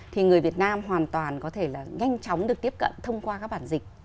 thì người việt nam hoàn toàn có thể là nhanh chóng được tiếp cận thông qua các bản dịch